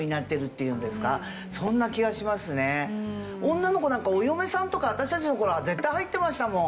女の子なんかお嫁さんとか私たちの頃は絶対入ってましたもん。